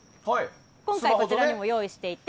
今回、こちらにも用意していて。